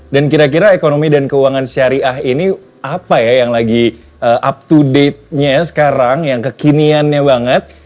dan kira kira ekonomi dan keuangan syariah ini apa ya yang lagi up to date nya sekarang yang kekiniannya banget